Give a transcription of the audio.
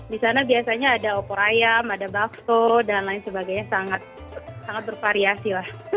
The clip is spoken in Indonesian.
di sana biasanya ada opor ayam ada bakso dan lain sebagainya sangat bervariasi lah